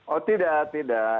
oh tidak tidak